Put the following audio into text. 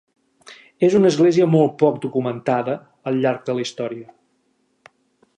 És una església molt poc documentada, al llarg de la història.